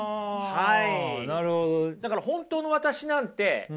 はい。